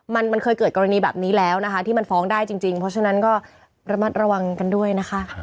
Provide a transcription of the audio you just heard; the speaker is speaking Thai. มันเคยเกิดกรณีแบบนี้แล้วนะคะที่มันฟ้องได้จริงเพราะฉะนั้นก็ระมัดระวังกันด้วยนะคะ